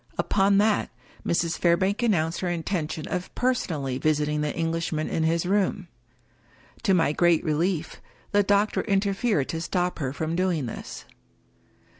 Upon that, Mrs. Fairbank announced her intention of personally visit ing the Englishman in his room. To my great relief, the doctor interfered to stop her from doing this.